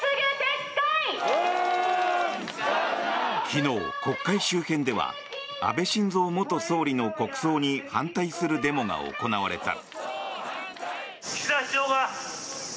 昨日、国会周辺では安倍晋三元総理の国葬に反対するデモが行われた。